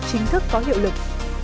chính thức có hiệu lực